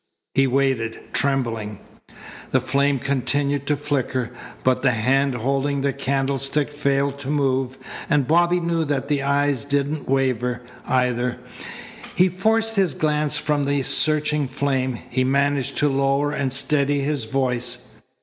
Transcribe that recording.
He waited, trembling. The flame continued to flicker, but the hand holding the candlestick failed to move, and Bobby knew that the eyes didn't waver, either. He forced his glance from the searching flame. He managed to lower and steady his voice.